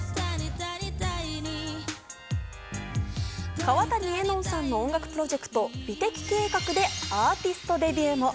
川谷絵音さんの音楽プロジェクト、美的計画でアーティストデビューも。